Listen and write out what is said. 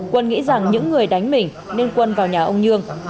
quân nghĩ rằng những người đánh mình nên quân vào nhà ông nhường